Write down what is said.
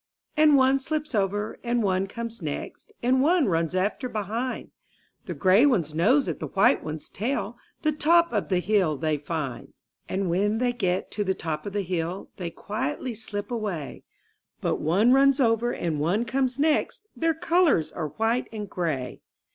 And one slips over, and one comes next. And one runs after behind; The gray one's nose at the white one's tail. The top of the hill they find. And when they get to the top of the hill, They quietly slip away; But one runs over and one comes. next — Their colors are white and gray.